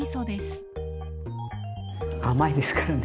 甘いですからね。